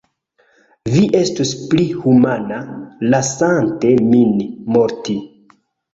Vi estus pli humana, lasante min morti.